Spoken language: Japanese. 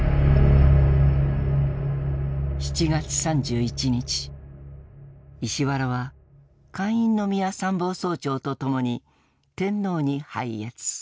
７月３１日石原は閑院宮参謀総長と共に天皇に拝謁。